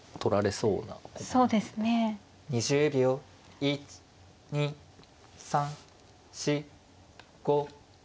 １２３４５。